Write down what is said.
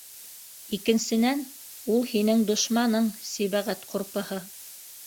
Икенсенән, ул һинең дошманың - Сибәғәт ҡурпыһы.